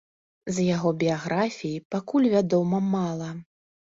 З яго біяграфіі пакуль вядома мала.